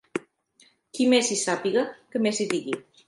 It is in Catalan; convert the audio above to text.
Qui més hi sàpiga, que més hi digui.